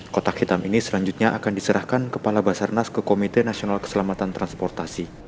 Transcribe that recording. kotak hitam ini selanjutnya akan diserahkan kepala basarnas ke komite nasional keselamatan transportasi